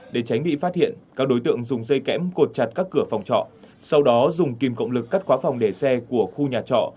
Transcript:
để tránh bị phát hiện các đối tượng dùng dây kẽm cột chặt các cửa phòng trọ sau đó dùng kìm cộng lực cắt khóa phòng để xe của khu nhà trọ